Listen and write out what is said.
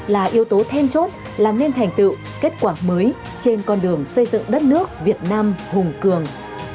là yếu tố then chốt làm nên thành tựu kết quả mới trên con đường xây dựng đất nước việt nam hùng cường